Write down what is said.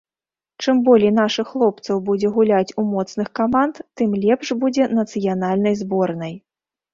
Чым болей нашых хлопцаў будзе гуляць у моцных каманд, тым лепш будзе нацыянальнай зборнай.